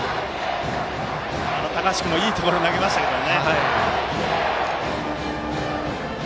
高橋君もいいところに投げましたけど。